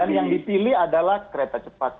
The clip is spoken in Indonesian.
dan yang dipilih adalah kereta cepat